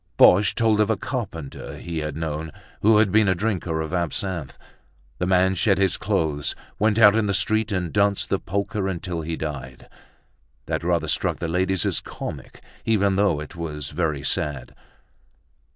Boche told of a carpenter he had known who had been a drinker of absinthe. The man shed his clothes, went out in the street and danced the polka until he died. That rather struck the ladies as comic, even though it was very sad.